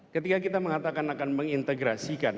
ketika kita mengatakan akan mengintegrasikan